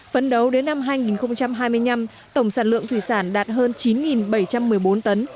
phấn đấu đến năm hai nghìn hai mươi năm tổng sản lượng thủy sản đạt hơn chín bảy trăm một mươi bốn tấn